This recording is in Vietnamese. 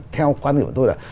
theo quan hệ của tôi là